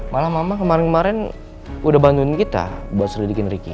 malah mama kemarin kemarin udah bantuin kita buat selidikin ricky